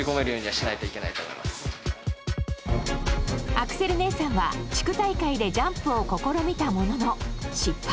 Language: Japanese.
アクセル姉さんは地区大会でジャンプを試みたものの失敗。